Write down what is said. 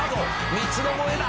「三つどもえだ！